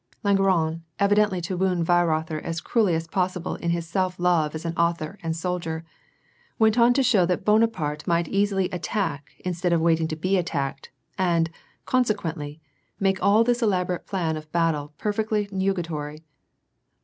Langeron, endeavoring to wound Weirother as cruelly as possible in his self love as an author and soldier, went on to show that Bonaparte might easily attack instead of waiting to be attacked, and, consequently, make all this elaborate plan of battle perfectly nugatory.